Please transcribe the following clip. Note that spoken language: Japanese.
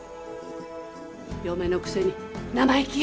嫁のくせに生意気よ。